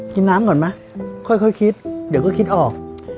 กินน้ำก่อนไหมค่อยคิดเดี๋ยวก็คิดออก